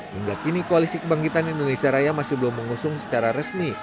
hingga kini koalisi kebangkitan indonesia raya masih belum mengusung secara resmi